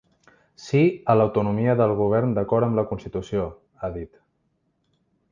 Sí a l’autonomia del govern d’acord amb la constitució, ha dit.